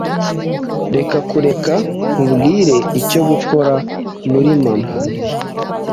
Reka kureka kumbwira icyo gukora. Nturi mama.